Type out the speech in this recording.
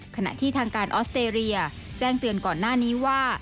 ขณะที่ทางการออสเตรเลียแจ้งเตือนก่อนหน้านี้ว่า